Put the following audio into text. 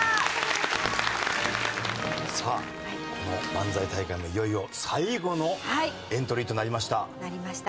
さあこの漫才大会もいよいよ最後のエントリーとなりました。